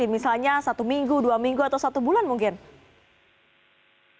misalnya satu minggu dua minggu atau satu bulan mungkin